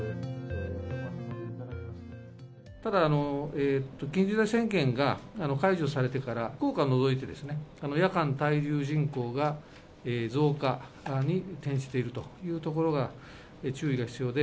ただ、緊急事態宣言が解除されてから、福岡を除いてですね、夜間滞留人口が増加に転じているというところが注意が必要で。